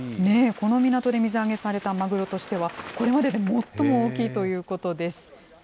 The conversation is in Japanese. この港で水揚げされたマグロとしては、これまでで最も大きいということです。